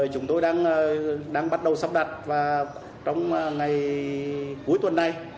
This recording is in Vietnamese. chúng tôi đang bắt đầu sắp đặt và trong ngày cuối tuần này